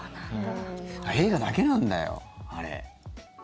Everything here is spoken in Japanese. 映画だけなんだよ。